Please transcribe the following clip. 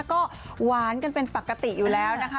ก็หวานกันเป็นปกติอยู่แล้วนะคะ